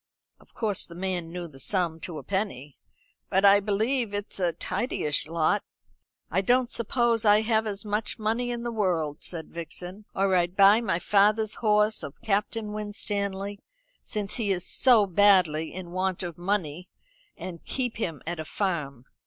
Of course the man knew the sum to a penny. "But I believe it's a tidyish lot." "I don't suppose I have as much money in the world," said Vixen, "or I'd buy my father's horse of Captain Winstanley, since he is so badly in want of money, and keep him at a farm."